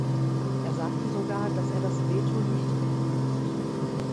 Er sagte sogar, dass er das Veto nicht begrüßt.